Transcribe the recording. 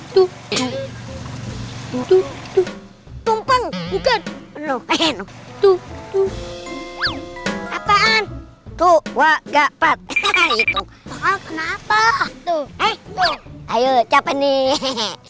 tuh tuh tuh tumpeng bukan tuh tuh apaan tuh wah gak pat itu apaan kenapa tuh eh tuh ayo capain nih